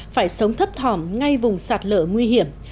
phải sống thấp thỏm ngay vùng sạt lở nguy hiểm